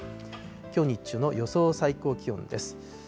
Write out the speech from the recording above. きょう日中の予想最高気温です。